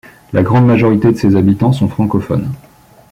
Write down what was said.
La grande majorité de ses habitants sont francophones.